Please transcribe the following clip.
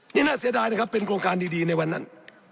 นี่น่าเสียดายนะครับเป็นโครงการดีในวันนั้น